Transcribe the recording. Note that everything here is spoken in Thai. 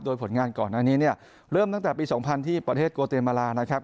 โดยผลงานก่อนหน้านี้เนี่ยเริ่มตั้งแต่ปี๒๐๐ที่ประเทศโกเตมาลานะครับ